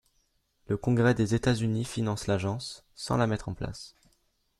Le Congrès des États-Unis finance l'agence, sans la mettre en place.